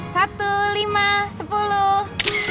satu lima sepuluh